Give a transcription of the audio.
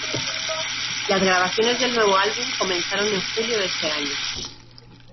Las grabaciones del nuevo álbum comenzaron en julio de ese año.